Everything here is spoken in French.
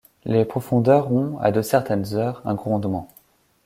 Les profondeurs ont, à de certaines heures, un grondement.